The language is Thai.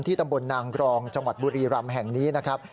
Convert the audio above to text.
ตำบลนางกรองจังหวัดบุรีรำแห่งนี้นะครับ